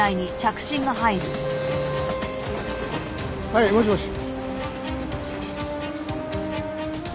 はいもしもし？